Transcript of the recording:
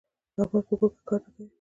احمد په کور کې کار نه کوي.